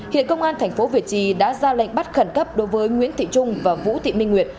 hiện công an tp việt trì đã ra lệnh bắt khẩn cấp đối với nguyễn thị trung và vũ thị minh nguyệt